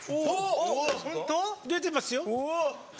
出てますよ。